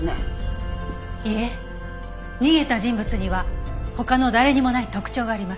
いえ逃げた人物には他の誰にもない特徴があります。